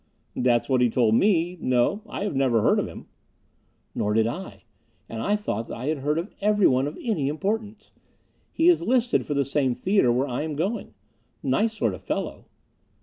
"That's what he told me. No, I never heard of him." "Nor did I. And I thought I had heard of everyone of any importance. He is listed for the same theater where I'm going. Nice sort of fellow."